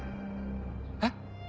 えっ？